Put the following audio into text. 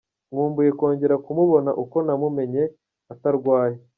Nkumbuye kongera kumubona uko namumenye atarwaye.